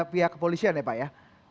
pihak kepolisian ya pak ya